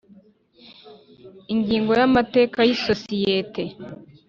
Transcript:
Ingingo ya Amateka y isosiyete